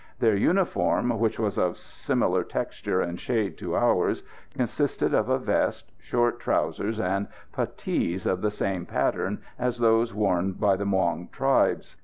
Their uniform, which was of similar texture and shade to ours, consisted of a vest, short trousers, and putties of the same pattern as those worn by the Muong tribes.